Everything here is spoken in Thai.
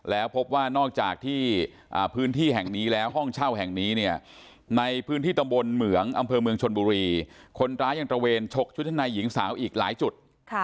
แล้วพบว่านอกจากที่พื้นที่แห่งนี้แล้วห้องเช่าแห่งนี้เนี่ยในพื้นที่ตำบลเหมืองอำเภอเมืองชนบุรีคนร้ายยังตระเวนชกชุดชั้นในหญิงสาวอีกหลายจุด